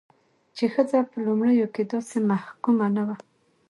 چې ښځه په لومړيو کې داسې محکومه نه وه،